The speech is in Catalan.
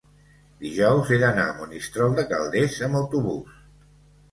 dijous he d'anar a Monistrol de Calders amb autobús.